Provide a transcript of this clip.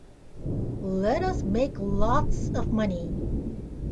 Let us make lots of money.